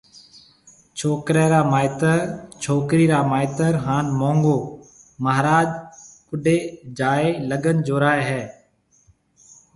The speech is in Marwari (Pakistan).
ڇوڪرَي را مائيتر ، ڇوڪرِي را مائيتر ھان مونگون مھاراج ڪوڊِي جائيَ لڳن جورائيَ ھيََََ